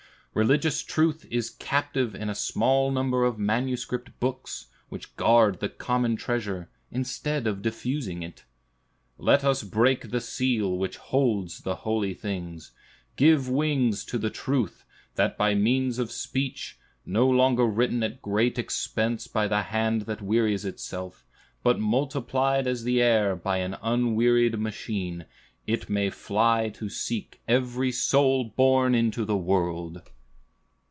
Religious truth is captive in a small number of manuscript books, which guard the common treasure, instead of diffusing it. Let us break the seal which holds the holy things; give wings to the truth, that by means of speech, no longer written at great expense by the hand that wearies itself, but multiplied as the air by an unwearied machine, it may fly to seek every soul born into the world!"